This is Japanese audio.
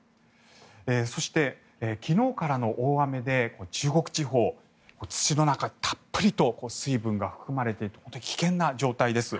そして、昨日からの大雨で中国地方土の中たっぷりと水分が含まれて危険な状態です。